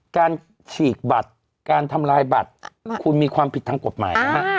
ฉีกบัตรการทำลายบัตรคุณมีความผิดทางกฎหมายนะฮะ